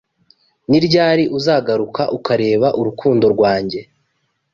'Ni ryari uzagaruka ukareba urukundo rwanjye